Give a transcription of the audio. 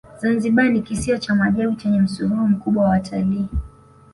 zanzibar ni kisiwa cha maajabu chenye msururu mkubwa wa watalii